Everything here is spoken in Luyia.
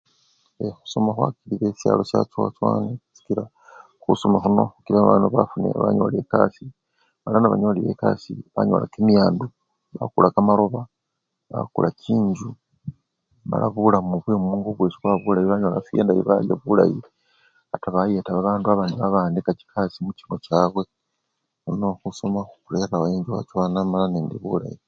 Khusoma khwakilile sisyalo syachowachowane sikila khusoma khuno khukila bandu bafuna! banyola ekasii mala nebanyolile ekasii banyola kimiyandu, bakula kamaloba bakula chinjju mala bulamu bwemungo bwosi bwaba bulayi ba\nyola afiya endayi mala balya bulayi ata bayeta babandu babandi bafunaka chikasi muchingo chabwe nono khusoma khurera enchowa chowana nende bulayi.